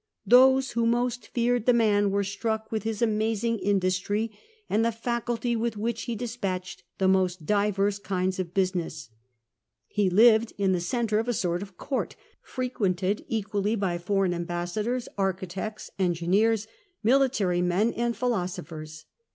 ''Those who most feared the man were struck with his amazing THE COLONY OF JUNONIA 69 industry, and tiie facility with, which he despatched the most diverse kinds of business." He lived in the centre of a sort of court, frequented equally by foreign ambas sadors, architects, engineers, military men, and philo sophers.